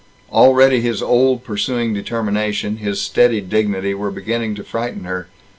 Already his old pursuing determination, his steady dignity, were beginning to frighten her.